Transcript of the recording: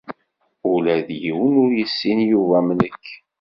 Ula d yiwen ur yessin Yuba am nekk.